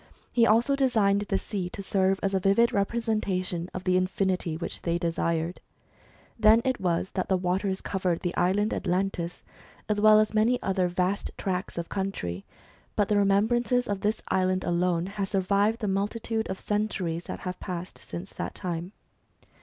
He also designed the sea to serve as a vivid representation of the infinity which they desired. Then ^ it was that the waters covered the island Atlantis, as well as many other vast tracts of country; but the remembrance of this island alone has survived the multi tude of centuries that have passed since that time.